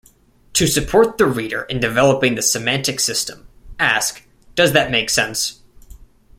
To support the reader in developing the semantic system, ask, "Does that make sense"?